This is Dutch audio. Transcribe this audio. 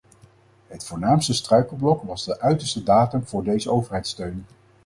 Het voornaamste struikelblok was de uiterste datum voor deze overheidssteun.